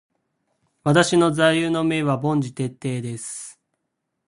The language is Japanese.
私の座右の銘は凡事徹底です。